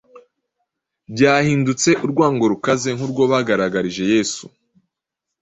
byahindutse urwango rukaze nk’urwo bagaragarije Yesu.